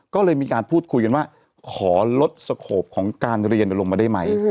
ก็เลยมีการพูดคุยกันว่าขอลดสโขปของการเรียนลงมาได้ไหม